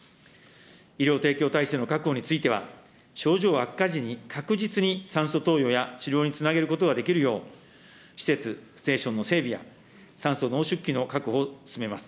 医療提供体制の確保については症状悪化時に確実に酸素投与や治療につなげることができるよう施設、ステーションの整備や、酸素濃縮器の確保を進めます。